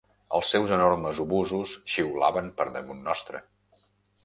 Els seus enormes obusos xiulaven per damunt nostre